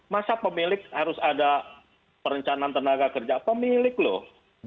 masa pemilik harus ada perencanaan tenaga kerja pemilik loh